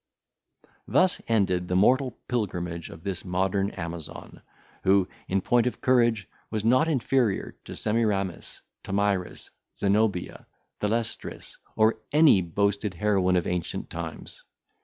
Thus ended the mortal pilgrimage of this modern Amazon; who, in point of courage, was not inferior to Semiramis, Tomyris, Zenobia, Thalestris, or any boasted heroine of ancient times.